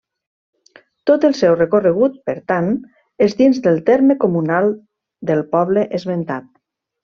Tot el seu recorregut, per tant, és dins del terme comunal del poble esmentat.